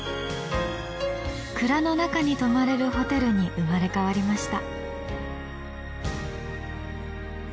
蔵の中に泊まれるホテルに生まれ変わりました。